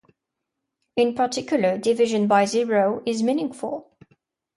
In particular, division by zero is meaningful.